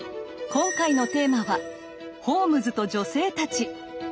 今回のテーマはホームズと女性たち！